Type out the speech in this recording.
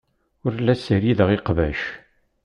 Ur la ssirideɣ iqbac.